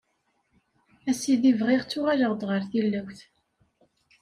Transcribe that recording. Ass i deg bdiɣ ttuɣaleɣ-d ɣer tilawt.